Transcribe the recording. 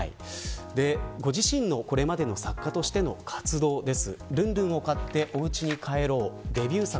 ご自身のこれまでの作家としての活動です。